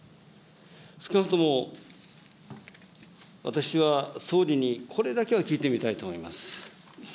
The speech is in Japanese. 少なくとも、私は総理にこれだけは聞いてみたいと思います。